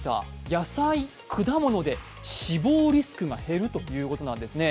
野菜・果物で死亡リスクが減るということなんですね。